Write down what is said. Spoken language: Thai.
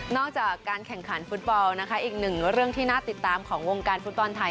จากการแข่งขันฟุตบอลนะคะอีกหนึ่งเรื่องที่น่าติดตามของวงการฟุตบอลไทย